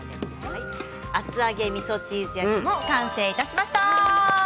厚揚げみそチーズ焼きも完成しました。